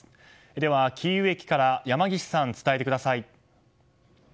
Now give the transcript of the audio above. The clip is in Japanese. では、キーウ駅から山岸さん、伝えてください。